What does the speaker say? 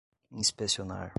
inspecionar